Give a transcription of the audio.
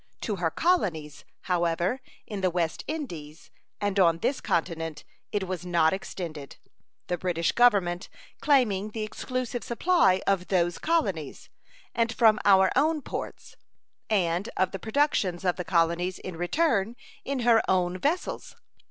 To her colonies, however, in the West Indies and on this continent it was not extended, the British Government claiming the exclusive supply of those colonies, and from our own ports, and of the productions of the colonies in return in her own vessels.